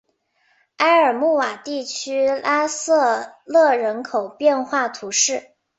埃尔穆瓦地区拉塞勒人口变化图示